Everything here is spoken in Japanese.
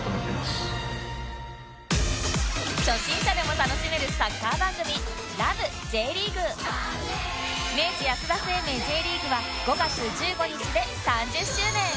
初心者でも楽しめるサッカー番組明治安田生命 Ｊ リーグは５月１５日で３０周年